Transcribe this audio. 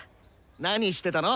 何してたの？